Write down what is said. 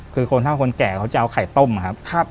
คือคนเท่าคนแก่เขาจะเอาไข่ต้มนะครับ